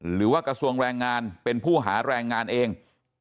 หรือว่ากระทรวงแรงงานเป็นผู้หาแรงงานเอง